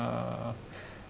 jangan terlalu berlebihan